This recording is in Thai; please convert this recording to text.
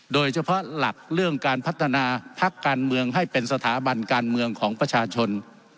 โดยเฉพาะหลักเรื่องการพัฒนาพักการเมืองให้เป็นสถาบันการเมืองของประชาชน